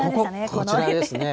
こちらですね。